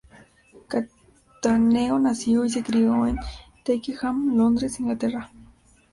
Cattaneo nació y se crió en Twickenham, Londres, Inglaterra.